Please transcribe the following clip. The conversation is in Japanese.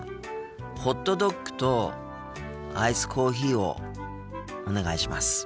ホットドッグとアイスコーヒーをお願いします。